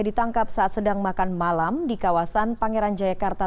ditangkap saat sedang makan malam di kawasan pangeran jayakarta